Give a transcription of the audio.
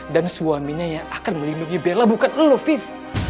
dan suaminya yang akan melindungi bella bukan lo viv